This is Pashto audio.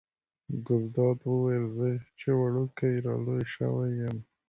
ګلداد وویل زه چې وړوکی را لوی شوی یم.